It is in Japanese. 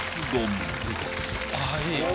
あぁいい。